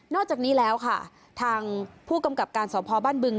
อกจากนี้แล้วค่ะทางผู้กำกับการสอบพอบ้านบึง